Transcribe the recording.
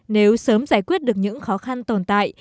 nếu sớm giải quyết được những khó khăn tồn tại